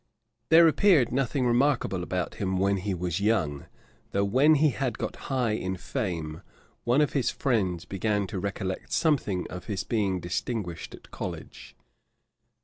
There appeared nothing remarkable about him when he was young; though when he had got high in fame, one of his friends began to recollect something of his being distinguished at College.